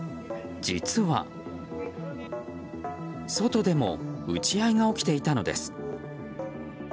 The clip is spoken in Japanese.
実は、外でも撃ち合いが起きていたのです。